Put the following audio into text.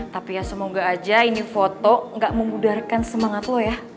tapi ya semoga aja ini foto gak memudarkan semangat lo ya